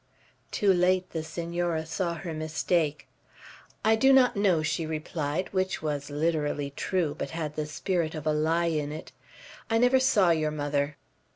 Too late the Senora saw her mistake. "I do not know," she replied; which was literally true, but had the spirit of a lie in it. "I never saw your mother."